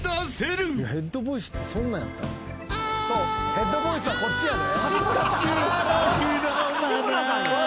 ヘッドボイスはこっちやで。